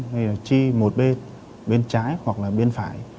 hay là chi một bên trái hoặc là bên phải